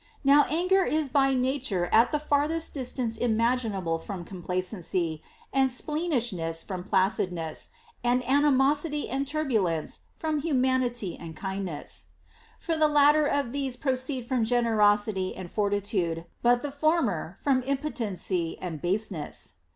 Now anger is by nature at the farthest distance imaginable from complacency, and spleen ishness from placidness, and animosity and turbulence from ACCORDING TO EPICURUS. 193 humanity and kindness. For the latter of these proceed from generosity and fortitude, but the former from ii η po tency and baseness.